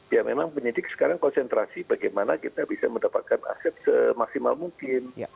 ya memang penyidik sekarang konsentrasi bagaimana kita bisa mendapatkan aset semaksimal mungkin